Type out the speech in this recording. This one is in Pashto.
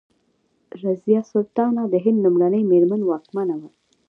رضیا سلطانه د هند لومړۍ میرمن واکمنه وه.